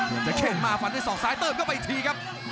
เดี๋ยวจะแข่งมาฟันให้ส่องซ้ายเติบก็ไปอีกทีครับ